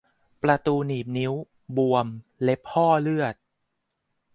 ประตูหนีบนิ้ว บวม เล็บห้อเลือด